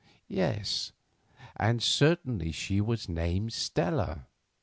Yes, and certainly she was named Stella.